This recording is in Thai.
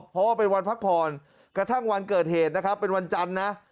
เพราะว่าเป็นวันพักผ่อนกระทั่งวันเกิดเหตุนะครับเป็นวันจันทร์นะ